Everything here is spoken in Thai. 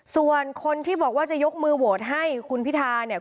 ส่วนคนที่บอกว่าจะยกมือโหวตให้คุณพิธาเนี่ย